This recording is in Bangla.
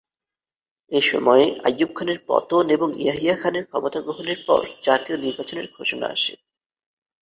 এ সময়ে আইয়ুব খানের পতন এবং ইয়াহিয়া খানের ক্ষমতা গ্রহণের পর জাতীয় নির্বাচনের ঘোষণা আসে।